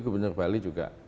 gubernur bali juga